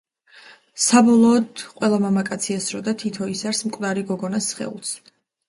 საბოლოოდ, ყველა მამაკაცი ესროდა თითო ისარს მკვდარი გოგონას სხეულს.